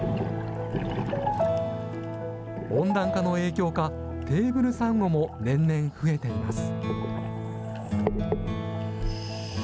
温暖化の影響か、テーブルサンゴも年々、増えています。